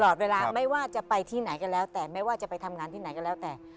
ตลอดเวลาไม่ว่าจะไปที่ไหนก็แล้วแต่ไม่ว่าจะไปทำงานที่ไหนก็แล้วแต่